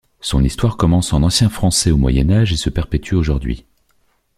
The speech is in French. Son histoire commence en ancien français au Moyen Âge et se perpétue aujourd'hui.